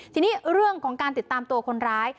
ทีนี้เรื่องของการติดตามตัวคนร้าย